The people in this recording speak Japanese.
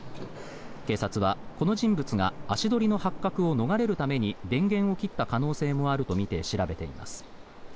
警察はこの人物が足取りの発覚を逃れるために電源を切った可能性もあるとみて調べています。